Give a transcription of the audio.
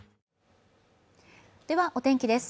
では、お天気です。